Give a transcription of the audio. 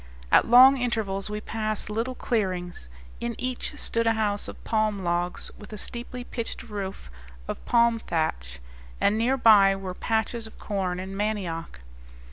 At long intervals we passed little clearings. In each stood a house of palm logs, with a steeply pitched roof of palm thatch; and near by were patches of corn and mandioc.